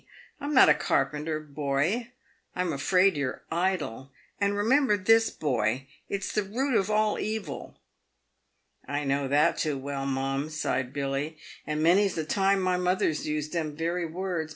I'm not a carpenter, boy. I'm afraid you're idle; and remember this, boy — it's the root of all evil." " I know that too w r ell, mum," sighed Billy ;" and many's the time my mother's used them very words.